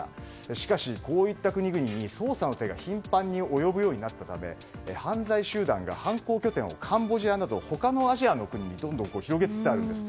しかし、こういった国々に捜査の手が頻繁に及ぶことになったので犯罪集団が犯行拠点をカンボジアなど他のアジアの国にどんどん広げつつあるんです。